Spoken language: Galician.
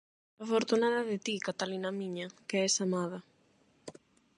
Afortunada de ti, Catalina miña, que es amada.